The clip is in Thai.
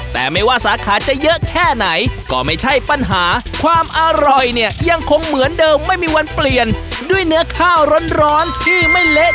แต่ไม่ว่าสาขาจะเยอะแค่ไหนก็ไม่ใช่ปัญหาความอร่อยเนี่ยยังคงเหมือนเดิมไม่มีวันเปลี่ยนด้วยเนื้อข้าวร้อนที่ไม่เละ